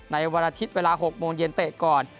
วันอาทิตย์เวลา๖โมงเย็นเตะก่อน